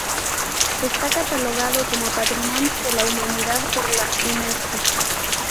Está catalogado como Patrimonio de la Humanidad por la Unesco.